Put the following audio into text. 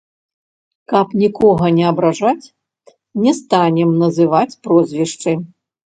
Каб нікога не абражаць, не станем называць прозвішчы.